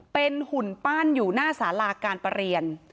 เป็นหุ่นปั้นอยู่หน้าสาราการประเรียน